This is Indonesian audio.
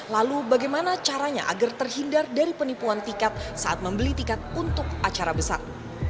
lalu bagaimana caranya agar terhindar dari penipuan tiket saat membeli tiket untuk acara besar